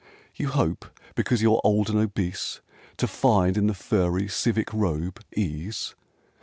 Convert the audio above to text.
You hope, because you're old and obese, To find in the furry civic robe ease?